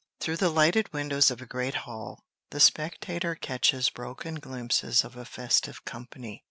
Through the lighted windows of a great hall, the spectator catches broken glimpses of a festive company.